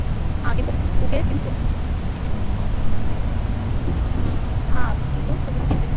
হ্যাঁ, কিন্তু তুমি ওকে চিনতে।